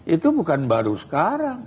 itu bukan baru sekarang